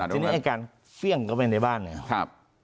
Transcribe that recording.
ทีนี้การเฟี่ยงก็เป็นในบ้านเนี่ยครับ